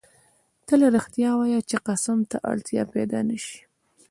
تل رښتیا وایه چی قسم ته اړتیا پیدا نه سي